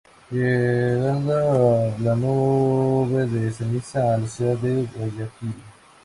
Llegando la nube de ceniza a la ciudad de Guayaquil.